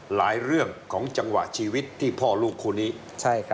เรื่องของจังหวะชีวิตที่พ่อลูกคู่นี้